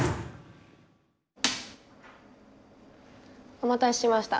お待たせしました。